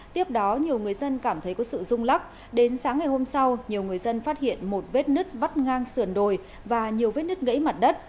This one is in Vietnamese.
tiếp đó nhiều người dân cảm thấy có sự rung lắc đến sáng ngày hôm sau nhiều người dân phát hiện một vết nứt vắt ngang sườn đồi và nhiều vết nứt gãy mặt đất